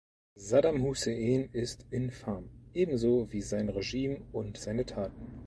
Saddam Hussein ist infam, ebenso wie sein Regime und seine Taten.